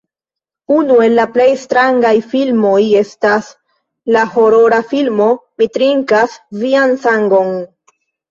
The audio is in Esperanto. Unu el la plej strangaj filmoj estas la horora filmo "Mi trinkas vian sangon".